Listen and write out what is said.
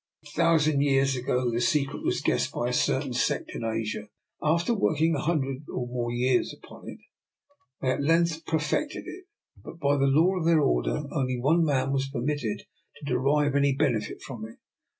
A thousand years ago the secret was guessed by a certain sect in Asia. After working a hun dred years or more upon it they at length perfected it. But by the law of their order only one man was permitted to derive any benefit from it.